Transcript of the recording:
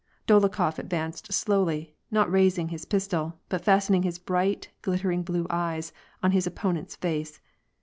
Dolokhof advanced slowly, not raising his pistol, but fastening his bright, glittering blue eyes on his opponent's face.